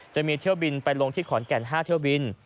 จะมีเที่ยวบินไปลงที่ขอนแก่น๕เที่ยวบิน